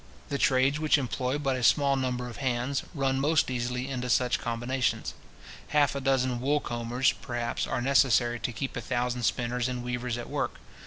The trades which employ but a small number of hands, run most easily into such combinations. Half a dozen wool combers, perhaps, are necessary to keep a thousand spinners and weavers at work.